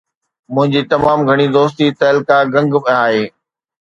منهنجي تمام گهڻي دوستي تعلقه گنگ ۾ آهي.